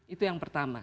itu yang pertama